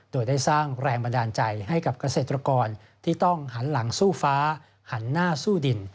โดยได้สร้างแรงบันดาลใจให้กับเกษตรกรที่ต้องหันหลังสู้ฟ้าหันหน้าสู้ดิน